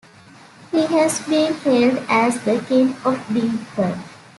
He has been hailed as The King of Deadpan.